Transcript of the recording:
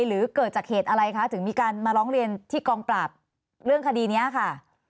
หรือเกิดจากเหตุอะไรคะถึงมีการมาร้องเรียนที่กองปราบเรื่องคดีนี้ค่ะ